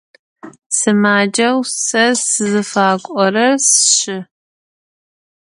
Sımaceu se sızıfak'orer sşşı.